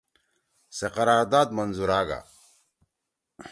سے قرار داد منظورا گا